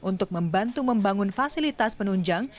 untuk membantu membangun fasilitas penunjang